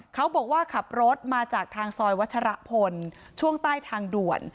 เขาบอกว่าขับรถมาจากทางซอยวัชรพลช่วงใต้ทางด่วน